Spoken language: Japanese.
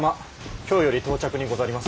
京より到着にござります。